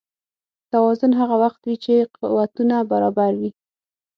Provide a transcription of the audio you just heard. توازن هغه وخت وي چې قوتونه برابر وي.